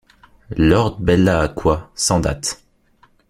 Lord Bella-Aqua, sans date.